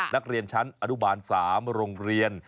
นักเรียนชั้นอนุบาล๓โรงเรียน